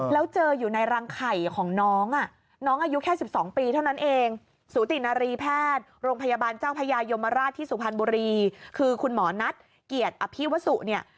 แล้วเจออยู่ในรังไข่ของน้องน้องอายุแค่๑๒ปีเท่านั้นเองสูตินารีแพทย์โรงพยาบาลเจ้าพญายมราชที่สุพรรณบุรีคือคุณหมอนัทเกียรติอภิวสุเนี่ย